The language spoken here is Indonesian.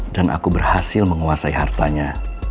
dan aku berhasil menguasai hartanya